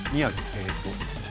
えーっと。